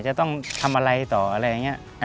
จะต้องทำอะไรต่ออะไรอย่างนี้